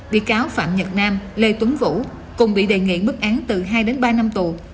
bị cáo phạm nhật nam lê tuấn vũ cùng bị đề nghị mức án từ hai đến ba năm tù